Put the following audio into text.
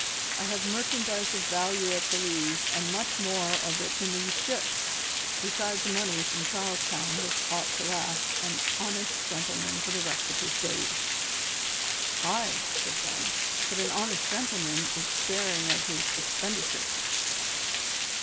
I have merchandise of value at Belize and much more of it in these ships, besides money from Charles Town which ought to last an honest gentleman for the rest of his days." "Ay," said Ben, "but an honest gentleman is sparing of his expenditures."